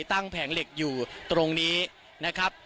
แผงเหล็กอยู่ตรงนี้นะครับ